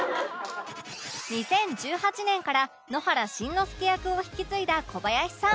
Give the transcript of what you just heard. ２０１８年から野原しんのすけ役を引き継いだ小林さん